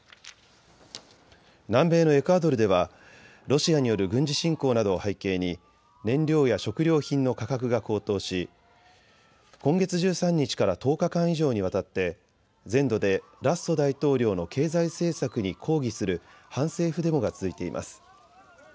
南米のエクアドルではロシアによる軍事侵攻などを背景に燃料や食料品の価格が高騰し今月１３日から１０日間以上にわたって全土でラッソ大統領の経済政策に抗議する反政府デモが続いています。